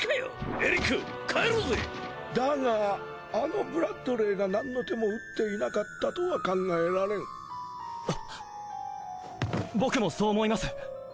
エリック帰ろうだがあのブラッドレーが何の手も打っていなかったとは考えられん僕もそう思います！